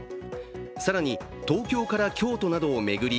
更に東京から京都などを巡り